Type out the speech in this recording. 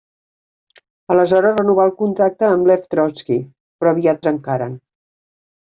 Aleshores renovà el contacte amb Lev Trotski, però aviat trencaren.